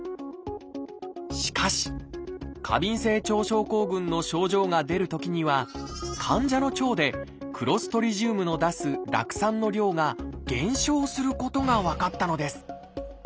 しかし過敏性腸症候群の症状が出るときには患者の腸でクロストリジウムの出す酪酸の量が減少することが分かったのです。